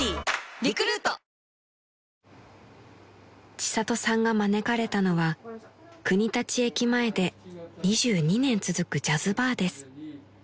［千里さんが招かれたのは国立駅前で２２年続くジャズバーです］